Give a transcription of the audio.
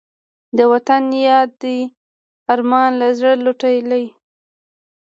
د وطن یاد دې ارام له زړه لوټلی